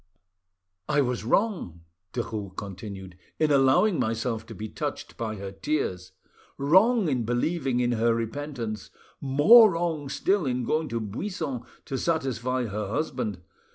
"I was wrong," Derues continued, "in allowing myself to be touched by her tears, wrong in believing in her repentance, more wrong still in going to Buisson to satisfy her husband.